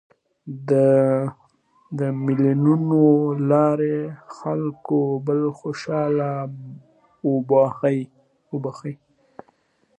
د مېلو له لاري خلک یو بل ته خوشحالي وربخښي.